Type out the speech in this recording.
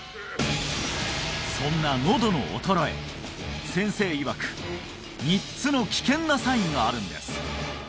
そんなのどの衰え先生いわく３つの危険なサインがあるんです